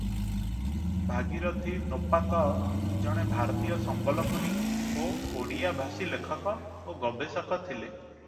ଭାଗିରଥୀ ନେପାକ ଜଣେ ଭାରତୀୟ ସମ୍ବଲପୁରୀ ଓ ଓଡ଼ିଆ-ଭାଷୀ ଲେଖକ ଓ ଗବେଷକ ଥିଲେ ।